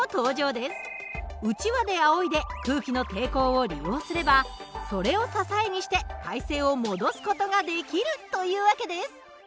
うちわであおいで空気の抵抗を利用すればそれを支えにして体勢を戻す事ができるという訳です。